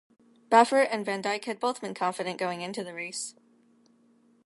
Baffert and Van Dyke had both been confident going into the race.